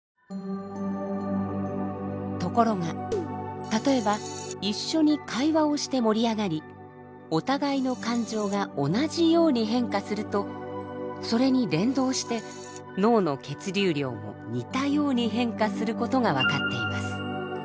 ところが例えば一緒に会話をして盛り上がりお互いの感情が同じように変化するとそれに連動して脳の血流量も似たように変化することが分かっています。